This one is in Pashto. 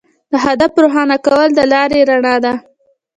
د هدف روښانه کول د لارې رڼا ده.